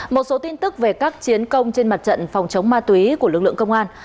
một số tin tức về các chiến công trên mặt trận phòng chống ma túy của lực lượng công an